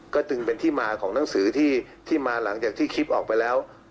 ก็จึงเป็นที่มาของหนังสือที่มาหลังจากที่คลิปออกไปแล้ว